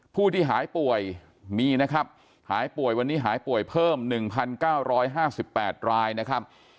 ผู้ที่หายป่วยมีนะครับหายป่วยวันนี้หายป่วยเพิ่ม๑๙๕๘รายนะครับ